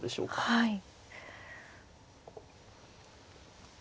はい。